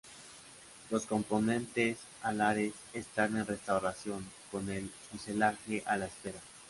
Los componentes alares están en restauración, con el fuselaje a la espera.